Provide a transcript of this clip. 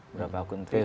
berapa akun twitter